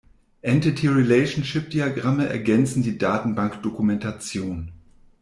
Entity-Relationship-Diagramme ergänzen die Datenbankdokumentation.